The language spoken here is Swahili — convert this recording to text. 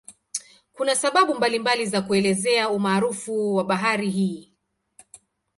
Kuna sababu mbalimbali za kuelezea umaarufu wa bahari hii.